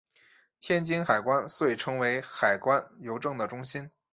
天津海关遂成为海关邮政的中心。